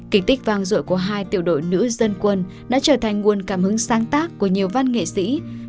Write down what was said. kịch tích vang dội của hai tiểu đội nữ dân quân đã trở thành nguồn cảm hứng sáng tác của nhiều văn nghệ sĩ